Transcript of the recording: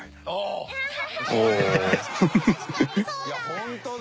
ホントだ。